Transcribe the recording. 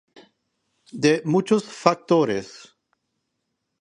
de muchos factores